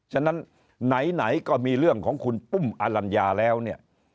ฉะนั้นไหนก็มีเรื่องของคุณปุ้มอลัญญาแล้วเนี่ย